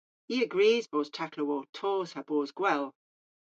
I a grys bos taklow ow tos ha bos gwell.